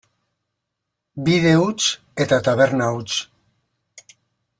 Bide huts eta taberna huts.